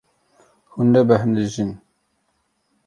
Hûn nebêhnijîn.